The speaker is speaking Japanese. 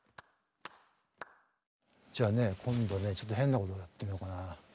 じゃあね今度ねちょっと変なことやってみようかな。